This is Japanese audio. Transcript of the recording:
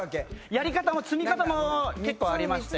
やり方も積み方もありまして。